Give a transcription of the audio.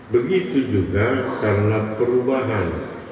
begitu juga karena perubahan